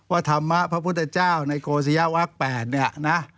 ว่าธรรมะพระพุทธเจ้าในโกศิยาวะแปดเนี่ยนะ